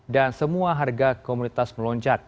dan semua harga komunitas melonjat